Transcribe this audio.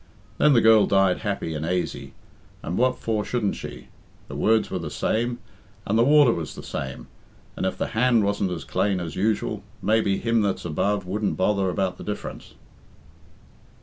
Then the girl died happy and aisy, and what for shouldn't she? The words were the same, and the water was the same, and if the hand wasn't as clane as usual, maybe Him that's above wouldn't bother about the diff'rance."